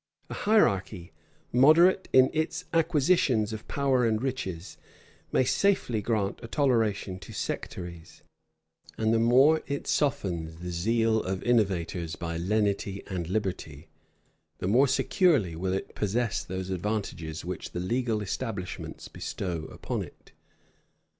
A hierarchy, moderate in its acquisitions of power and riches, may safely grant a toleration to sectaries; and the more it softens the zeal of innovators by lenity and liberty, the more securely will it possess those advantages which the legal establishments bestow upon it.